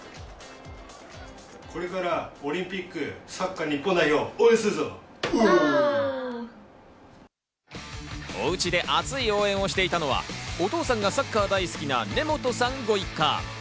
これからオリンピック、サッカー日本代表をおうちで熱い応援をしていたのは、お父さんがサッカー大好きな根本さんご一家。